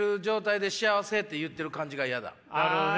なるほどね。